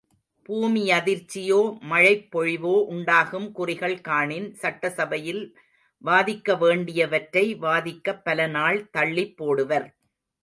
பூமியதிர்ச்சியோ மழைப் பொழிவோ உண்டாகும் குறிகள் காணின், சட்டசபையில் வாதிக்க வேண்டியவற்றை வாதிக்கப் பல நாள் தள்ளிப் போடுவர்.